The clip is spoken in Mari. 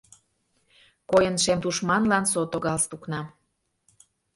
— Койын шем тушманлан Сото галстукна.